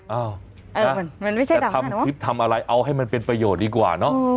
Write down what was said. จะทำคลิปทำอะไรเอาให้มันเป็นประโยชน์ดีกว่าเนอะ